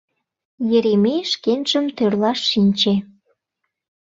Еремей шкенжым тӧрлаш шинче.